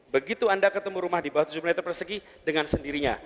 begitu anda ketemu rumah di bawah tujuh meter persegi dengan sendirinya